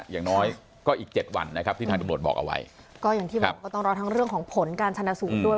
อย่างน้อยก็อีกเจ็ดวันนะครับที่ทางตำรวจบอกเอาไว้ก็อย่างที่บอกก็ต้องรอทั้งเรื่องของผลการชนะสูตรด้วย